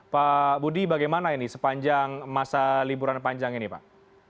pak budi bagaimana ini sepanjang masa liburan panjang ini pak